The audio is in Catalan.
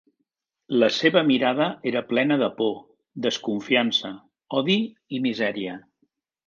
La seva mirada era plena de por, desconfiança, odi i misèria.